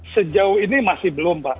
sejauh ini masih belum pak